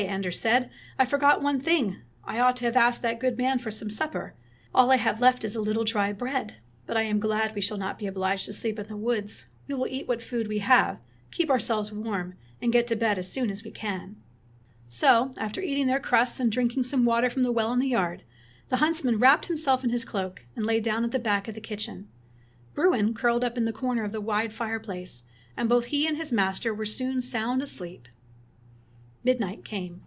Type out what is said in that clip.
Anders said, "I forgot one thing — I ought to have asked that good man for some supper. All I have left is a little 21 Fairy Tale Bears dry bread. But I am glad we shall not be obliged to sleep in the woods. We will eat what food we have, keep ourselves warm, and get to bed as soon as we can.'' So after eating all their crusts, and drink ing some water from the well in the yard, the huntsman wrapped himself in his cloak, and lay down at the back of the kitchen. Bruin curled up in a corner of the wide fire place, and both he and his master were soon sound asleep. Midnight came.